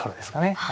はい。